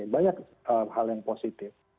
banyak hal yang positif